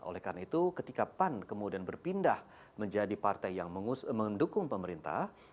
oleh karena itu ketika pan kemudian berpindah menjadi partai yang mendukung pemerintah